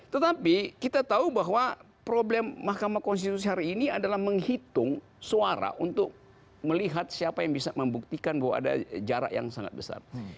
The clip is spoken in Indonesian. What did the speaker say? tetapi kita tahu bahwa problem mahkamah konstitusi hari ini adalah menghitung suara untuk melihat siapa yang bisa membuktikan bahwa ada jarak yang sangat besar